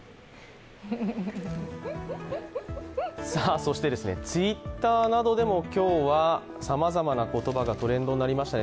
そして、Ｔｗｉｔｔｅｒなどでも今日はさまざまな言葉がトレンドになりましたね。